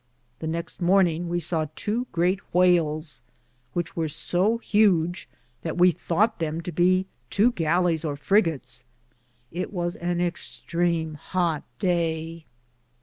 The nexte morninge we saw 2 greate whalis, which wear so huge that we thoughte them to be tow gallis or frigates : ite was an extreame hoote day.